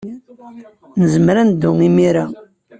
Nezmer ad neddu imir-a.